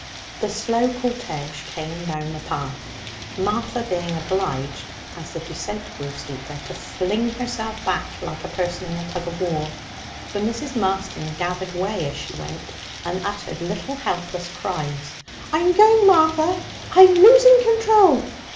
The slow cortege came down the path, Martha being obliged, as the descent grew steeper, to fling herself back like a person in a tug of war, for Mrs. Marston gathered way as she went, and uttered little helpless cries. 'I'm going, Martha! I'm losing control!